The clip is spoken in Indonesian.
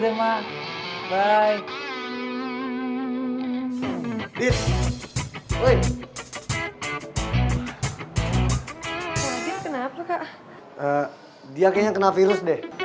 dia kayaknya kena virus deh